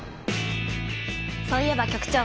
そういえば局長。